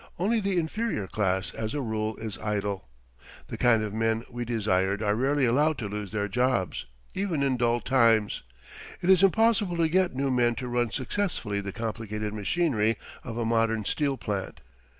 Only the inferior class as a rule is idle. The kind of men we desired are rarely allowed to lose their jobs, even in dull times. It is impossible to get new men to run successfully the complicated machinery of a modern steel plant.